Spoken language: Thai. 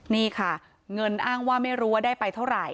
นี่ค่ะเงินอ้างว่าไม่รู้ว่าได้ไปเท่าไหร่